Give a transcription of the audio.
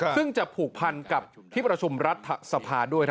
ซึ่งจะผูกพันกับที่ประชุมรัฐสภาด้วย